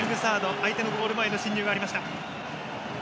相手のゴール前の進入がありました。